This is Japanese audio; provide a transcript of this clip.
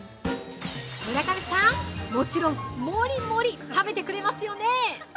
村上さん、もちろんもりもり食べてくれますよね？